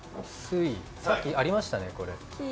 さっきありましたね、これ。